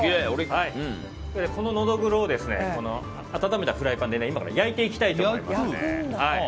このノドグロを温めたフライパンで焼いていきたいと思います。